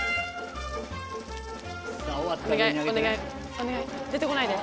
お願い出てこないで。